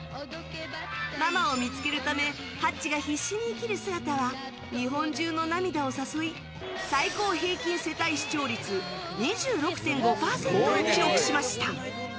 ママを見つけるためハッチが必死に生きる姿は日本中の涙を誘い最高平均世帯視聴率２６．５％を記録しました。